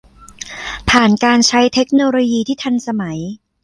ผ่านการใช้เทคโนโลยีที่ทันสมัย